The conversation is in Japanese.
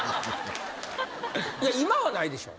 今はないでしょ？